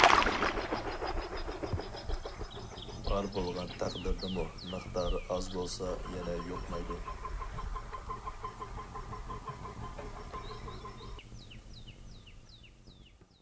بار بولغان تەقدىردىمۇ مىقدارى ئاز بولسا يەنە يۇقمايدۇ.